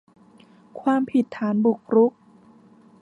ความผิดฐานบุกรุก